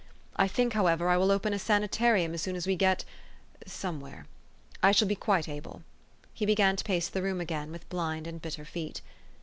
I think, however, I will open a sanitarium as soon as we get somewhere. I shall be quite able." He began to pace the room again, with blind and bitter feet.